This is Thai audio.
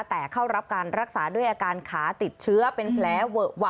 แต่เข้ารับการรักษาด้วยอาการขาติดเชื้อเป็นแผลเวอะวะ